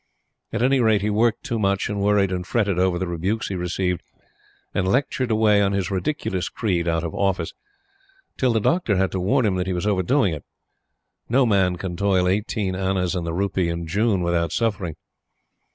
At any rate, he worked too much, and worried and fretted over the rebukes he received, and lectured away on his ridiculous creed out of office, till the Doctor had to warn him that he was overdoing it. No man can toil eighteen annas in the rupee in June without suffering.